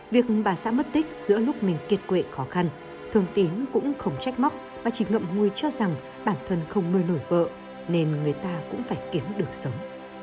việc bà xã mất tích giữa lúc mình kiệt quệ khó khăn thường tín cũng không trách móc và chỉ ngậm ngùi cho rằng bản thân không nuôi nổi vợ nên người ta cũng phải kiếm được sống